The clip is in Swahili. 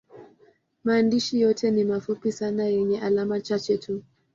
Maandishi yote ni mafupi sana yenye alama chache tu.